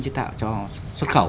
chế tạo cho xuất khẩu